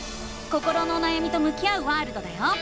心のおなやみと向き合うワールドだよ！